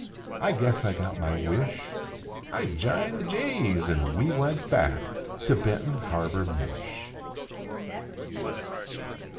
I guess I got my wish, I jined the jays an we went back to Benton Harbor, Mich.